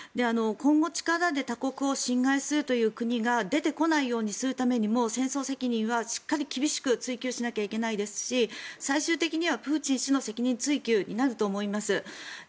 今後力で他国を侵害するという国が出てこないようにするためにも戦争責任はしっかり厳しく追及しなきゃいけないですし最終的にはプーチン氏の責任追及になると思います。